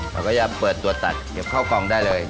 เขาก็จะเปิดตัวตัดเก็บเข้ากล่องได้เลย